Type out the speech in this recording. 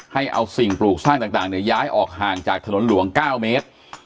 ให้เอาสิ่งปลูกสร้างต่างย้ายออกห่างจากถนนหลวง๙เมตร